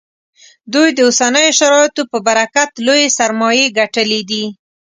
دوی د اوسنیو شرایطو په برکت لویې سرمایې ګټلې دي